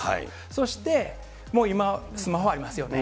そして、もう今、スマホありますよね。